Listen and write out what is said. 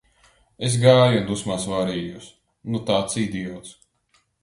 Es gāju un dusmās vārījos, nu tāds idiots.